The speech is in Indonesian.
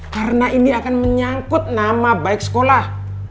karena ini akan menyangkut nama baik sekolah